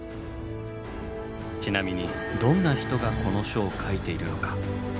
ちなみにどんな人がこの書を書いているのかご存じですか？